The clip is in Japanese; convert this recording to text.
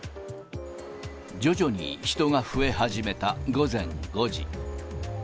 徐々に人が増え始めた、午前５時。